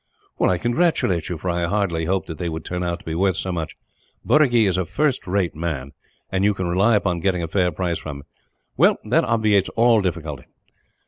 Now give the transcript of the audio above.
"I congratulate you, for I hardly hoped that they would turn out to be worth so much. Burragee is a first rate man, and you can rely upon getting a fair price from him. Well, that obviates all difficulty.